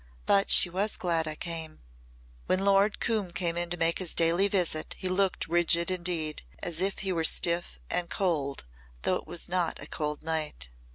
But she was glad I came." When Lord Coombe came in to make his daily visit he looked rigid indeed as if he were stiff and cold though it was not a cold night.